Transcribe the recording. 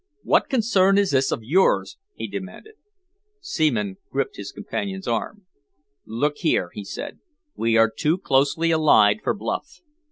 "What concern is this of yours?" he demanded. Seaman gripped his companion's arm. "Look here," he said, "we are too closely allied for bluff.